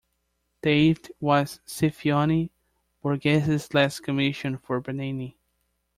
"David" was Scipione Borghese's last commission for Bernini.